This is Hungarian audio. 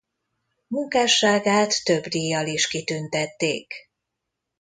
Munkásságát több díjjal is kitüntették.